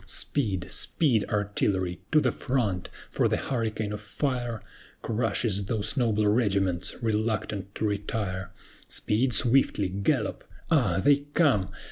Speed, speed, Artillery! to the front! for the hurricane of fire Crushes those noble regiments, reluctant to retire! Speed swiftly! Gallop! Ah! they come!